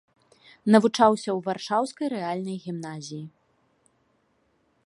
Навучаўся ў варшаўскай рэальнай гімназіі.